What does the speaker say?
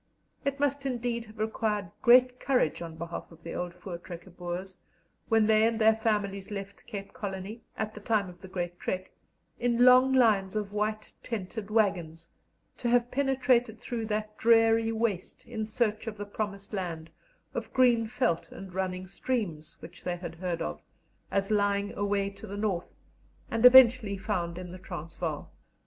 It must indeed have required great courage on behalf of the old Voor trekker Boers, when they and their families left Cape Colony, at the time of the Great Trek, in long lines of white tented waggons, to have penetrated through that dreary waste in search of the promised land, of green veldt and running streams, which they had heard of, as lying away to the north, and eventually found in the Transvaal.